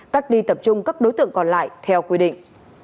cách ly tập trung các đối tượng còn lại theo quy định